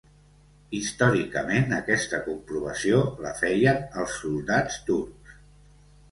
Històricament, aquesta comprovació la feien els soldats turcs.